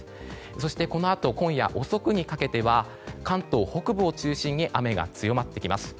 そして、このあと今夜遅くにかけては関東北部を中心に雨が強まってきます。